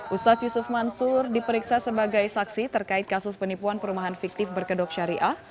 ustadz yusuf mansur diperiksa sebagai saksi terkait kasus penipuan perumahan fiktif berkedok syariah